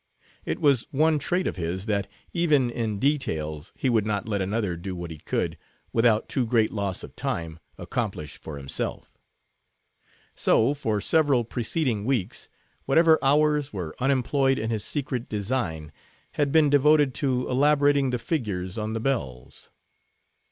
It was one trait of his, that, even in details, he would not let another do what he could, without too great loss of time, accomplish for himself. So, for several preceding weeks, whatever hours were unemployed in his secret design, had been devoted to elaborating the figures on the bells.